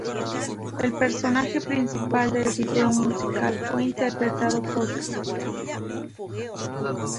El personaje principal del vídeo musical fue interpretado por Christie Brinkley.